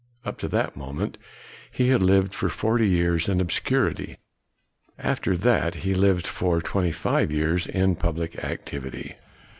Up to that moment, he had lived for forty years in obscurity, after that he lived for twenty five years in public activity.